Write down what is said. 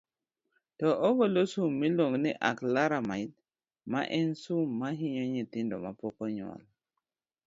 to ogolo sum miluongo ni Acrylamide, ma en sum ma hinyo nyithindo mapok onyuol.